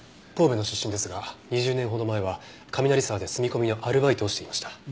神戸の出身ですが２０年ほど前は加美鳴沢で住み込みのアルバイトをしていました。